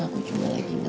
aku cuma lagi inget